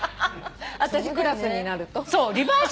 私クラスになると？